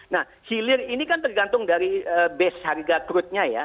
nah hilir ini kan tergantung dari base harga crude nya ya